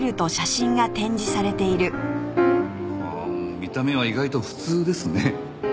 見た目は意外と普通ですね。